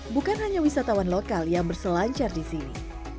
bukan hanya wisatawan lokal yang berselancar di sini